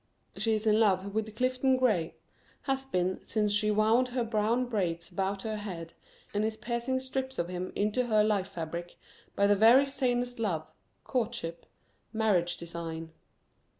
She is in love with Clifton Gray, has been since she wound her brown braids about her head, and is piecing strips of him into her life fabric by the very sanest love courtship marriage design.